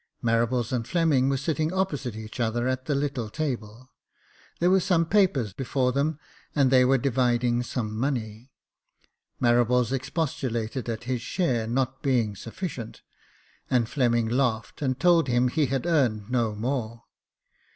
Marables and Fleming were sitting opposite each other, at the little table. There were some papers before them, and they were dividing some money. Marables expostulated at his share not being sufficient, and Fleming laughed and told him he had earned no more.